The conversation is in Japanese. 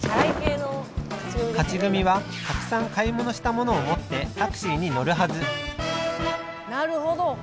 勝ち組はたくさん買い物したものを持ってタクシーに乗るはずなるほど。